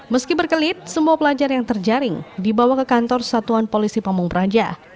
meski berkelit semua pelajar yang terjaring dibawa ke kantor satuan polisi pamung praja